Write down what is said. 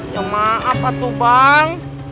ya maaf atuh bang